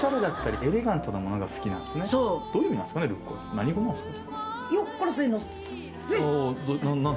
何語なんですか？